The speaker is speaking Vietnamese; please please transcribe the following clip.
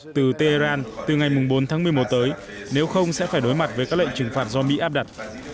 từ tehran từ ngày bốn tháng một mươi một tới nếu không sẽ phải đối mặt với các lệnh trừng phạt do mỹ áp đặt